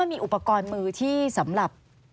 สวัสดีค่ะที่จอมฝันครับ